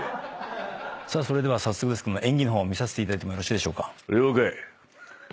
さあそれでは早速ですけども演技の方見させていただいてもよろしいでしょうか？